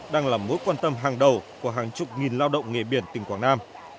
đang là mối quan tâm hàng đầu của hàng chục nghìn lao động nghề biển tỉnh quảng nam